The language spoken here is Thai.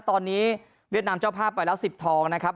ตอนนี้เวียดนามเจ้าภาพไปแล้ว๑๐ทองนะครับ